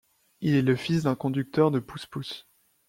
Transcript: Il est le fils d'un conducteur de pousse-pousse.